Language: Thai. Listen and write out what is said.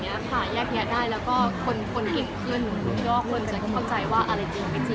เข้าใจว่าอะไรจริงไม่จริง